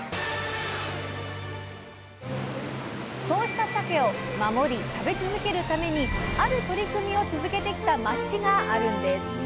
そうしたさけを守り食べ続けるためにある取り組みを続けてきた町があるんです。